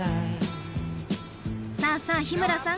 さあさあ日村さん。